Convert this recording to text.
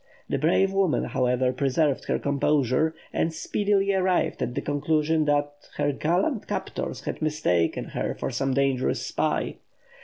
The brave woman, however, preserved her composure, and speedily arrived at the conclusion that her gallant captors had mistaken her for some dangerous spy.